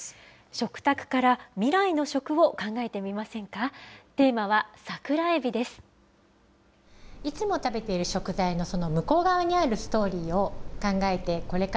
食卓から未来の食を考えてみませんか。